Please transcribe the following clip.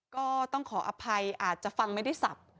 ก็ต้องขออภัยอาจจะฟังไม่ได้สับ